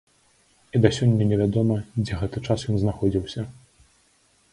І да сёння невядома, дзе гэты час ён знаходзіўся.